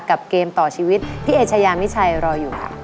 เกมต่อชีวิตพี่เอชายามิชัยรออยู่ค่ะ